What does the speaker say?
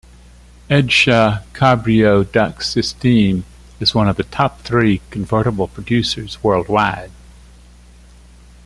Edscha Cabrio-Dachsysteme is one of the top three convertible producers worldwide.